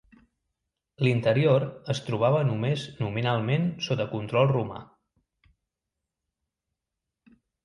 L'interior es trobava només nominalment sota control romà.